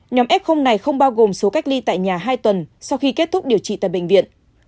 nhóm f này không bao gồm số cách ly tại nhà hai tuần sau khi kết thúc điều trị tại bệnh viện